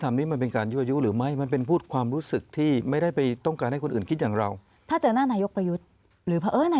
ถ้าเจอกันหน้านายกประยุทธนาหรือ